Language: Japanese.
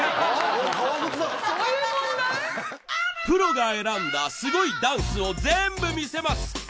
プロが選んだすごいダンスを全部見せます。